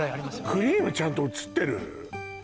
クリームちゃんと写ってる？